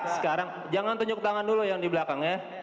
sekarang jangan tunjuk tangan dulu yang di belakang ya